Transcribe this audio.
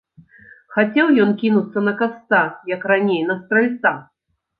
Хацеў ён кінуцца на касца, як раней на стральца.